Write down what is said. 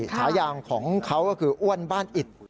ฉายางของเขาก็คืออ้วนบ้านอิด